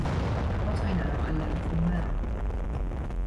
What I know, I learned from Mao.